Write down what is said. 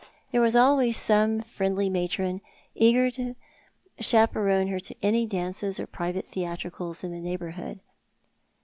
There was always some friendly matron eager to chaperon her to any dances or private theatricals in the neighbourhood.